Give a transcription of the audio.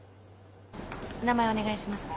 お名前お願いします。